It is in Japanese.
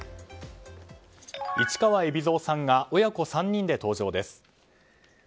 市川海老蔵が親子３人で登場です。